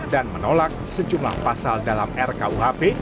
dan menolak sejumlah pasal dalam rkuhp